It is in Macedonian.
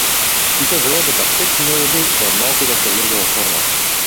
Сите велат дека пет недели е малку да се влезе во форма.